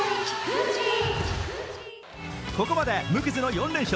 ここまで無傷の４連勝